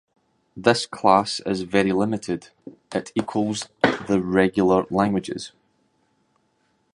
This class is very limited; it equals the regular languages.